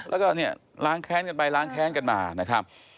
แล้วก็เนี่ยล้างแค้นกันไปล้างแค้นกันมานะครับ